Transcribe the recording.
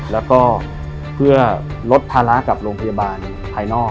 แล้วก็เพื่อลดภาระกับโรงพยาบาลภายนอก